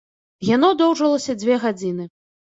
Яно доўжылася дзве гадзіны.